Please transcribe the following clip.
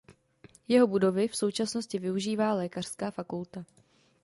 Jeho budovy v současnosti využívá lékařská fakulta.